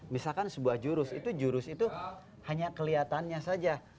misalkan sebuah jurus itu jurus itu hanya kelihatannya saja